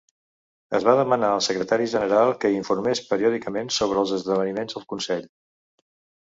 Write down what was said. Es va demanar al Secretari General que informés periòdicament sobre els esdeveniments al Consell.